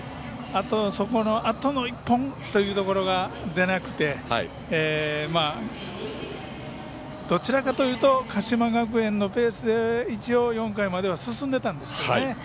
そこのあとの１本というところが出なくて、どちらかというと鹿島学園のペースで一応、４回までは進んでいたんですけどね。